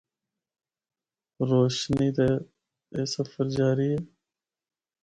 روشنی دا اے سفر جاری ہے۔